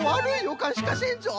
かんしかせんぞ！